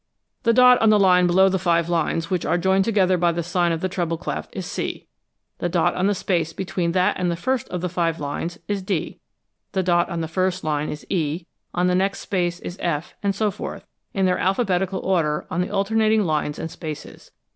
] "The dot on the line below the five lines which are joined together by the sign of the treble clef is C. The dot on the space between that and the first of the five lines is D. The dot on the first line is E; on the next space is F, and so forth, in their alphabetical order on the alternating lines and spaces.